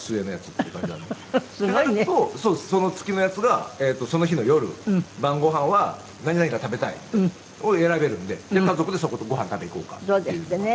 ってなるとその月のヤツがその日の夜晩ご飯は何々が食べたいって選べるんで家族でそこでご飯食べに行こうかっていうのが。